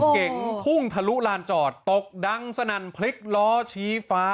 เก่งพุ่งทะลุลานจอดตกดังสนั่นพลิกล้อชี้ฟ้า